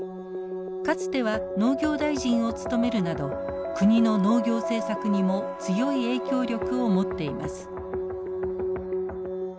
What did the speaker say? かつては農業大臣を務めるなど国の農業政策にも強い影響力を持っています。